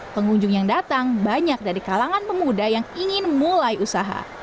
pengunjung yang datang banyak dari kalangan pemuda yang ingin mulai usaha